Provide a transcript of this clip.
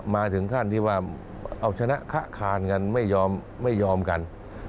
มาถึงขั้นที่ว่าเอาชนะข้ะขานกันไม่ยอมกัน